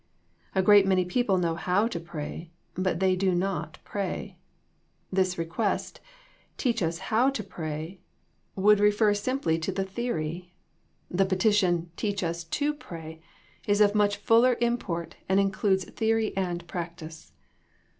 A great many people know how to pray, but they do not pray. The request, Teach us how to pray, 14 THE PEACTICE OF PEAYEE would refer simply to the theory. The petition " teach us to pray," is of much fuller import and includes theory and practice.